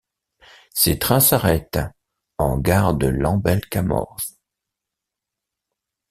Ces trains s'arrêtent en gare de Lambel - Camors.